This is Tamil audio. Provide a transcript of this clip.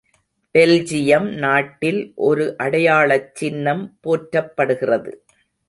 பெல்ஜியம் நாட்டில் ஒரு அடையாளச் சின்னம் போற்றப்படுகிறது.